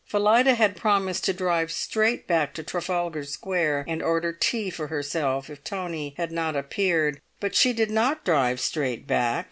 Phillida had promised to drive straight back to Trafalgar Square and order tea for herself if Tony had not appeared; but she did not drive straight back.